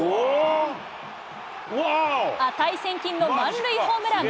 値千金の満塁ホームラン。